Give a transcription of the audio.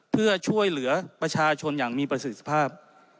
เพื่อช่วยเหลือประชาชนอย่างมีประสิทธิภาพ